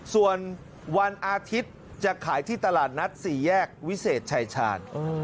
ส่วนวันอาทิตย์จะขายที่ตลาดนัดสี่แยกวิเศษชายชาญ